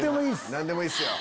何でもいいっすよ。